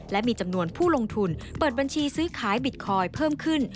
และมีจำนวนผู้ลงทุนเปิดบัญชีซื้อขายบิตคอยน์เพิ่มขึ้น